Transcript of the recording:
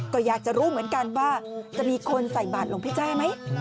ก็อยากจะรู้เหมือนกันว่าจะมีคนใส่บาทหลวงพี่แจ้ไหม